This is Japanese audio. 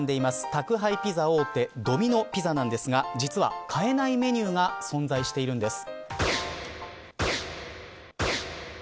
宅配ピザ大手ドミノ・ピザなんですが実は買えないメニューが存在しているんです。